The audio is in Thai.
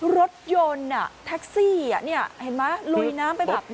รถยนต์แท็กซี่อะเนี่ยเห็นปะลุยน้ำไปแบบเนี่ย